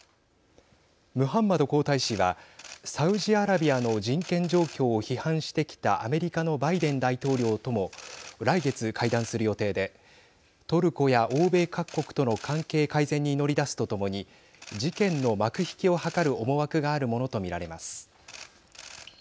ムハンマド皇太子はサウジアラビアの人権状況を批判してきたアメリカのバイデン大統領とも来月、会談する予定でトルコや欧米各国との係改善に乗り出すとともに事件の幕引きを図る思惑があるものと見られます。